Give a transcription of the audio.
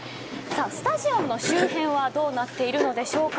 スタジアムの周辺はどうなっているのでしょうか。